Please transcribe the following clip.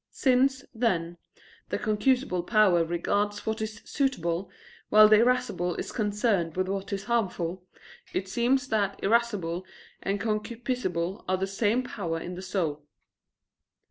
Since, then, the concupiscible power regards what is suitable, while the irascible is concerned with what is harmful, it seems that irascible and concupiscible are the same power in the soul.